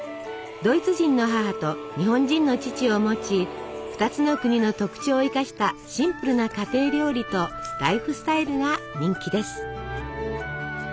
ドイツ人の母と日本人の父を持ち２つの国の特徴を生かしたシンプルな家庭料理とライフスタイルが人気です。